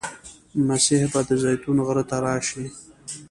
مسیح به د زیتون غره ته راشي.